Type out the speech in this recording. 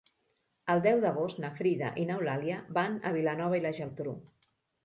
El deu d'agost na Frida i n'Eulàlia van a Vilanova i la Geltrú.